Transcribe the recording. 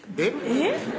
えっ？